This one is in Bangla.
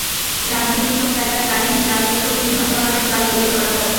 রাত-দিন এসব জায়গায় কারেন্ট জালসহ বিভিন্ন ধরনের জাল তৈরি করা হয়।